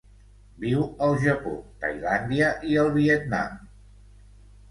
Viu al Japó, Tailàndia i el Vietnam.